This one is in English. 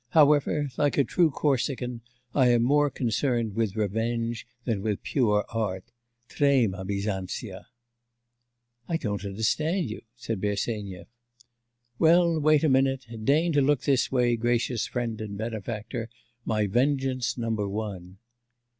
However, like a true Corsican, I am more concerned with revenge than with pure art. Trema, Bisanzia!' 'I don't understand you,' said Bersenyev. 'Well, wait a minute. Deign to look this way, gracious friend and benefactor, my vengeance number one.